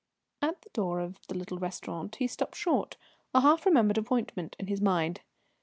At the door of the little restaurant he stopped short, a half remembered appointment in his mind.